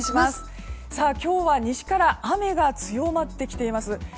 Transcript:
今日は西から雨が強まってきています。